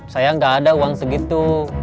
saya nggak ada uang segitu